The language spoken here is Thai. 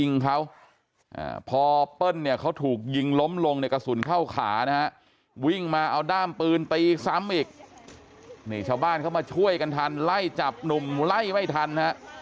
นี่ชาวบ้านเข้ามาช่วยกันทันไล่จับหนุ่มไล่ไม่ทันฮะ